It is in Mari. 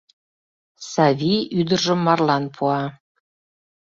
Савий ӱдыржым марлан пуа...